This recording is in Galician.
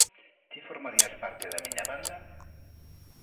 ¿Ti formarías parte da miña banda?